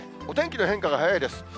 お天気の変化が早いです。